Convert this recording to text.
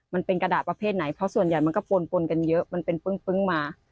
มันเป็นกระดาษประเภทไหนเพราะส่วนใหญ่มันก็ปนปนกันเยอะมันเป็นปึ้งมา